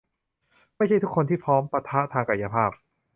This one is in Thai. ไม่ใช่ทุกคนที่พร้อมปะทะทางกายภาพ